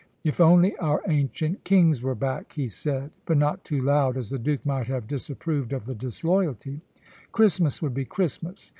"If only our ancient kings were back," he said, but not too loud, as the Duke might have disapproved of the disloyalty, "Christmas would be Christmas.